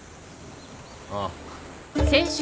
ああ。